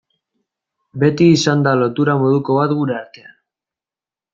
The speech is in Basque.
Beti izan da lotura moduko bat gure artean.